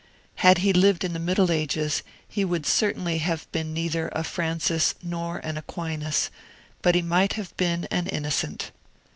Had he lived in the Middle Ages he would certainly have been neither a Francis nor an Aquinas, but he might have been an Innocent.